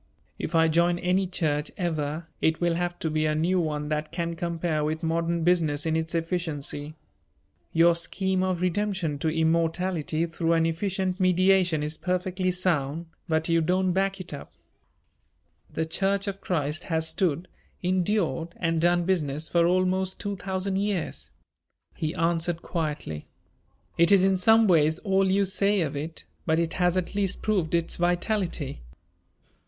If I join any church ever it will have to be a new one that can compare with modern business in its efficiency. Your scheme of redemption to immortality through an efficient mediation is perfectly sound, but you don't back it up." "The Church of Christ has stood, endured and done business for almost two thousand years," he answered quietly. "It is in some ways all you say of it, but it has at least proved its vitality.